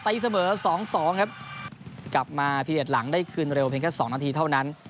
เสมอสองสองครับกลับมาพีเด็ดหลังได้คืนเร็วเพียงแค่สองนาทีเท่านั้น